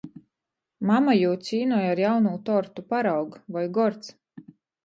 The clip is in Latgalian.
Mama jū cīnoj ar jaunū tortu: Paraug, voi gords!